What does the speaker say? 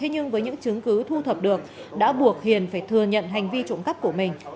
nhưng với những chứng cứ thu thập được đã buộc hiền phải thừa nhận hành vi trộm cắp của mình